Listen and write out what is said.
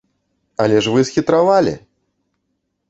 Але ж вы схітравалі!